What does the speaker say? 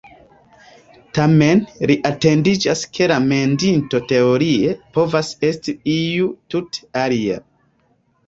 Tamen li atentigas, ke la mendinto teorie povas esti iu tute alia.